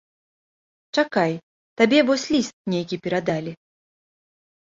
Чакай, табе вось ліст нейкі перадалі.